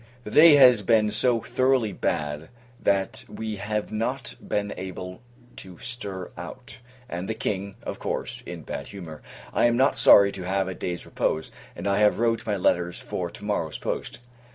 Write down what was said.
The day has been so thoroughly bad, that we have not been able to stir out; and the King, of course, in bad humour. I am not sorry to have a day's repose, and I have wrote my letters for to morrow's post.